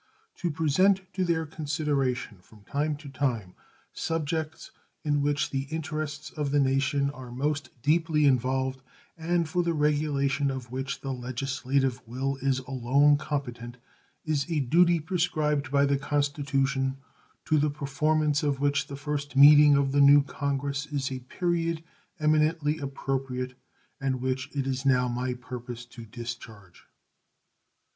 To present to their consideration from time to time subjects in which the interests of the nation are most deeply involved, and for the regulation of which the legislative will is alone competent, is a duty prescribed by the Constitution, to the performance of which the first meeting of the new Congress is a period eminently appropriate, and which it is now my purpose to discharge.